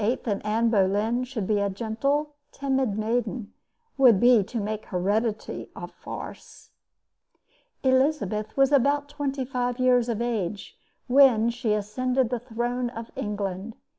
and Anne Boleyn should be a gentle, timid maiden would be to make heredity a farce. Elizabeth was about twenty five years of age when she ascended the throne of England.